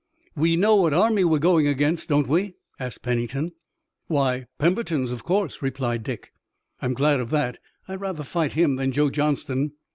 "We know what army we're going against, don't we?" asked Pennington. "Why, Pemberton's, of course," replied Dick. "I'm glad of that. I'd rather fight him than Joe Johnston."